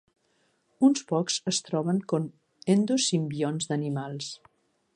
Uns pocs es troben com endosimbionts d'animals.